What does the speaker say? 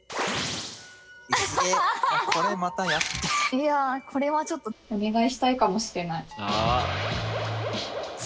いやあこれはちょっとお願いしたいかもしれない。